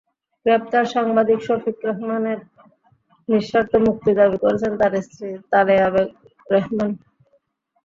গ্রেপ্তার সাংবাদিক শফিক রেহমানের নিঃশর্ত মুক্তি দাবি করেছেন তাঁর স্ত্রী তালেয়া রেহমান।